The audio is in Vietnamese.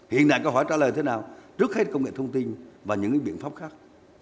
hiện đại có hỏi trả lời thế nào rước hết công nghệ thông tin và những biện pháp khác